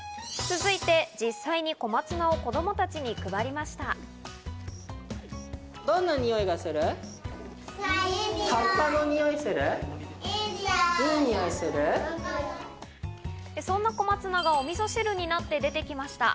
続いて、実際に小松菜を子供たちに配りました。